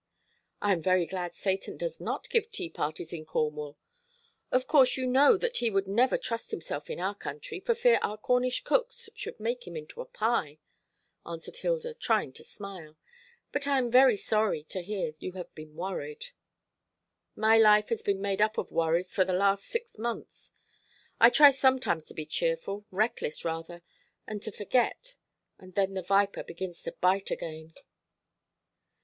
"I am very glad Satan does not give tea parties in Cornwall. Of course you know that he would never trust himself in our county, for fear our Cornish cooks should make him into a pie," answered Hilda, trying to smile. "But I am very sorry to hear you have been worried." "My life has been made up of worries for the last six months. I try sometimes to be cheerful reckless rather and to forget; and then the viper begins to bite again."